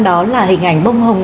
đó là hình ảnh bông hồng